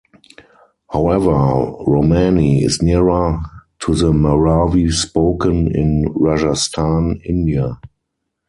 However, Romani is nearer to the Marwari spoken in Rajasthan, India.